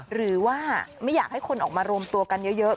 หรือว่าไม่อยากให้คนออกมารวมตัวกันเยอะ